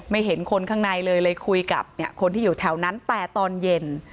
เห็นคนข้างในเลยเลยคุยกับคนที่อยู่แถวนั้นแต่ตอนเย็น